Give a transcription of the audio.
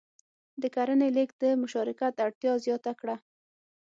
د کرنې لېږد د مشارکت اړتیا زیاته کړه.